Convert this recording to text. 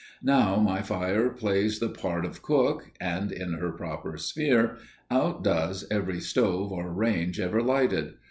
Now my fire plays the part of cook, and, in her proper sphere, outdoes every stove or range ever lighted.